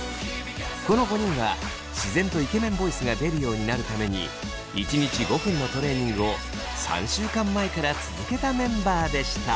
この５人は自然とイケメンボイスが出るようになるために１日５分のトレーニングを３週間前から続けたメンバーでした。